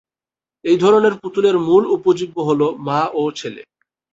এই ধরনের পুতুলের মূল উপজীব্য হলো মা ও ছেলে।